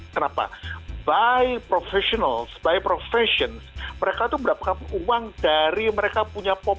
kenapa by professionals by professions mereka itu mendapatkan uang dari mereka punya popularitas